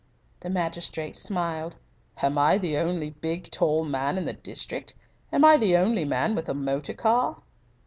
The magistrate smiled. "Am I the only big, tall man in the district? Am I the only man with a motor car?"